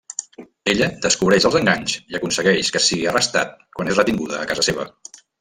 Ella descobreix els enganys i aconsegueix que sigui arrestat quan és retinguda a casa seva.